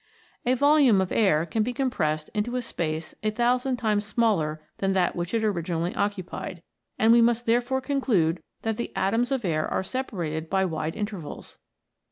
A volume of air can be compressed into a space a thousand times smaller than that which it originally occupied, and we must therefore conclude that the atoms of air are separated by wide intervals.